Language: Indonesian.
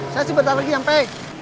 saya sebentar lagi sampe